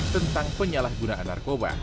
tentang penyalahgunaan narkoba